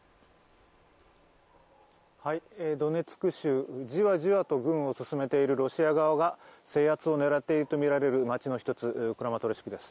ドネツク州、じわじわと軍を進めているロシア側が制圧を狙っているとみられる町の一つクラマトルシクです。